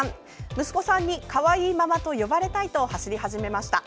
息子さんにかわいいママと呼ばれたいと走り始めました。